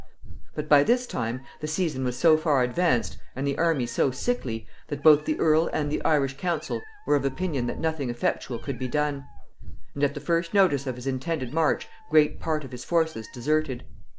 But by this time the season was so far advanced, and the army so sickly, that both the earl and the Irish council were of opinion that nothing effectual could be done; and at the first notice of his intended march great part of his forces deserted.